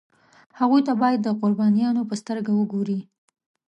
هغوی ته باید د قربانیانو په سترګه وګوري.